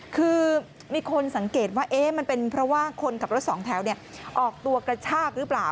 คือมีคนสังเกตว่ามันเป็นเพราะว่าคนขับรถสองแถวออกตัวกระชากหรือเปล่า